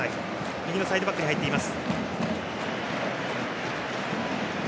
右のサイドバックに入っています。